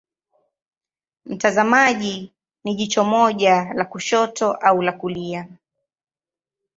Mtazamaji ni jicho moja la kushoto au la kulia.